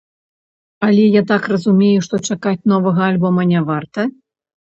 Але, я так разумею, што чакаць новага альбома не варта?